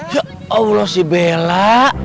ya allah si bella